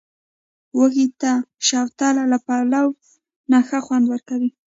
وږي ته، شوتله له پلاو نه ښه خوند ورکوي.